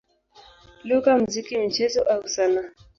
lugha, muziki, michezo au sanaa.